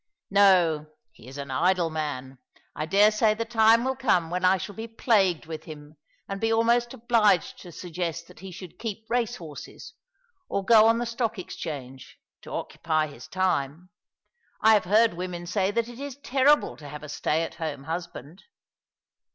" No, he is an idle man. I dare say the time will come when I shall be plagued with him, and be almost obliged to suggest that he should keep race horses, or go on the Stock Exchange, to occupy his time. I have heard women say that it is terrible to have a stay at home husband.